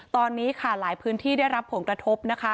ตอนนี้ค่ะหลายพื้นที่ได้รับผลกระทบนะคะ